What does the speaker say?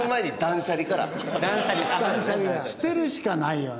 捨てるしかないよね。